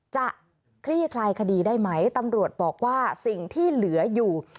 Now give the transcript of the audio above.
คลี่คลายคดีได้ไหมตำรวจบอกว่าสิ่งที่เหลืออยู่